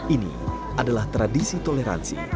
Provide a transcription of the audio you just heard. ini adalah tradisi toleransi